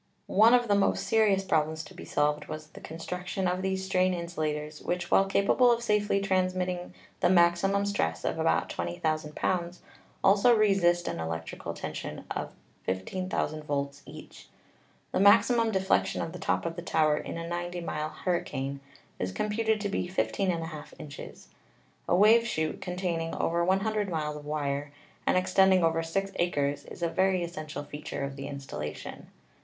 One of the most serious problems to be solved was the construction of these strain insulators, which, while capable of safely transmitting the maximum stress of about 20,000 pounds, also resist an electrical tension of 15,000 volts each. The maximum deflection of the top of the tower in a 90 mile hurricane is computed to be l$% inches. A wave chute containing over 100 miles of wire, and extending over six acres, is a very essential feature of the installation.